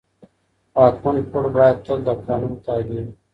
واکمن پوړ بايد تل د قانون تابع وي.